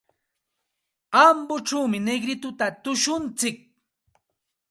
Ambochaw Negritotami tushuntsik.